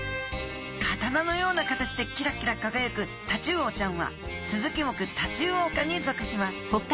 刀のような形でキラキラ輝くタチウオちゃんはスズキ目タチウオ科に属します。